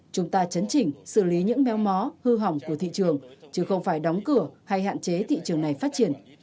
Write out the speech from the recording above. chúng ta chấn chỉnh xử lý những méo mó hư hỏng của thị trường chứ không phải đóng cửa hay hạn chế thị trường này phát triển